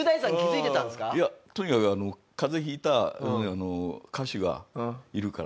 いやとにかくあの風邪ひいた歌手がいるから。